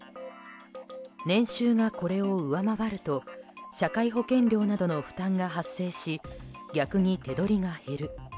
年収がこれを上回ると社会保険料などの負担が発生し逆に手取りが減る。